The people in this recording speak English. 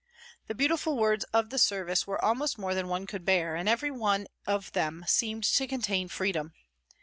The beautiful words of the service were almost more than one could bear, and every one of them seemed to contain freedom.